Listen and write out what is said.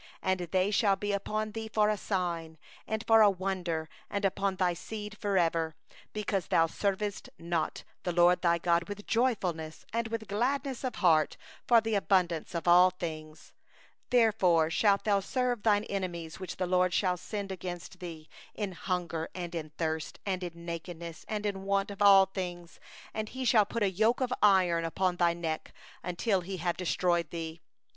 46And they shall be upon thee for a sign and for a wonder, and upon thy seed for ever; 47because thou didst not serve the LORD thy God with joyfulness, and with gladness of heart, by reason of the abundance of all things; 48therefore shalt thou serve thine enemy whom the LORD shall send against thee, in hunger, and in thirst, and in nakedness, and in want of all things; and he shall put a yoke of iron upon thy neck, until he have destroyed thee.